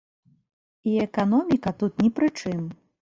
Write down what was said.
І эканоміка тут ні пры чым.